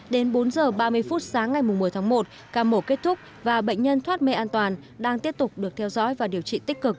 đến bốn h ba mươi phút sáng ngày một mươi tháng một ca mổ kết thúc và bệnh nhân thoát mê an toàn đang tiếp tục được theo dõi và điều trị tích cực